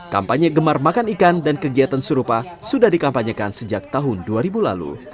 kampanye gemar makan ikan dan kegiatan serupa sudah dikampanyekan sejak tahun dua ribu lalu